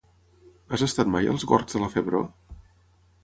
Has estat mai als gorgs de la Febró?